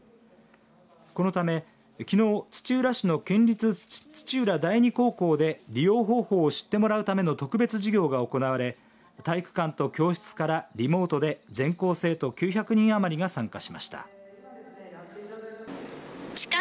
このため、きのう土浦市の県立土浦第二高校で利用方法を知ってもらうための特別授業が行われ体育館と教室からリモートで全校生徒９００人余りが参加しました。